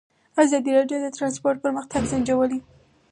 ازادي راډیو د ترانسپورټ پرمختګ سنجولی.